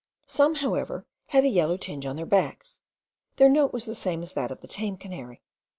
Some, however, had a yellow tinge on their backs; their note was the same as that of the tame canary.